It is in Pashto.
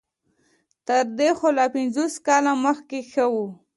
تر دې خو لا پنځوس کاله مخکې ښه وو.